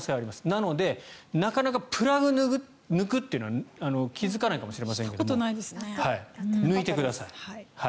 なので、なかなかプラグ抜くというのは気付かないかもしれないですけど抜いてください。